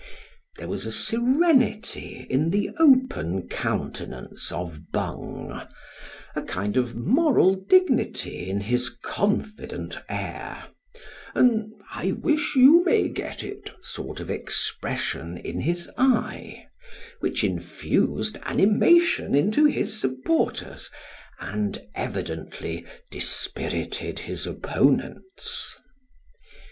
There was a serenity in the open countenance of Bung a kind of moral dignity in his confident air an " I wish you may get it " sort of expression in his eye which infused animation into his supporters, and evidently dispirited his opponents.